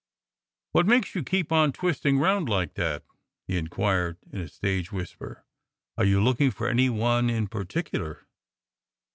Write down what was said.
"What makes you keep on twisting round like that?" he inquired in a stage whisper. "Are you looking for any one in particular?"